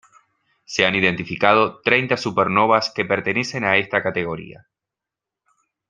Se han identificado treinta supernovas que pertenecen a esta categoría.